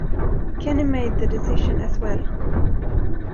Kenny made the decision as well.